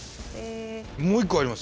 もう一個あります